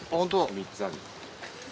３つある。